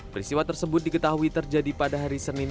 peristiwa tersebut diketahui terjadi pada hari senin